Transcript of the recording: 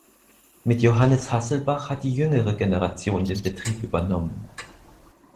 Mit Johannes Hasselbach hat die jüngere Generation den Betrieb übernommen.